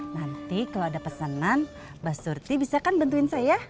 nanti kalau ada pesanan mbak surti bisa kan bantuin saya